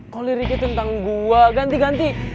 kau liriknya tentang gua ganti ganti